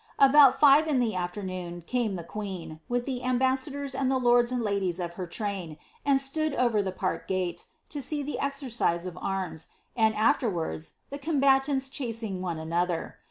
About five in the afternoon came the queen, with the ambassadors and the lords and ladies of her train, and stood over the park gate, to see the exercise of arms, and afterwards the conibatauls chasing one another.